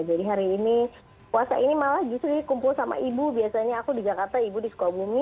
jadi hari ini puasa ini malah justru dikumpul sama ibu biasanya aku di jakarta ibu di sekolah